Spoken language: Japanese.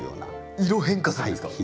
色変化するんですか？